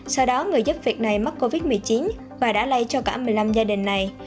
sau đó người giúp việc này mắc covid một mươi chín và đã lây cho cả một mươi năm gia đình này